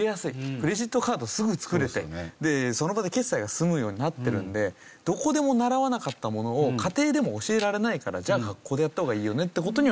クレジットカードすぐ作れてでその場で決済が済むようになってるんでどこでも習わなかったものを家庭でも教えられないからじゃあ学校でやった方がいいよねって事にはなってますね。